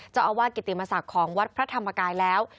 เจ้าอาวาสกิติมศักดิ์ของวัดพระธรรมกายแล้ว